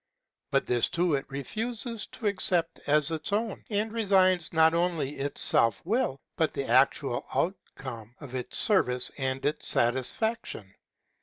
But this too it refuses to accept as its own, and resigns not only its self will, but the actual outcome of its service and its satisfaction.